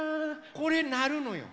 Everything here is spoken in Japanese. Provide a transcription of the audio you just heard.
これなるのよ。